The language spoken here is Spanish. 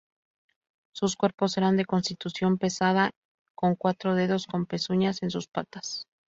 Sus cuerpos eran de constitución pesada, con cuatro dedos con pezuñas en sus patas.